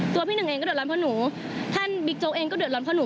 พี่หนึ่งเองก็เดือดร้อนเพราะหนูท่านบิ๊กโจ๊กเองก็เดือดร้อนเพราะหนู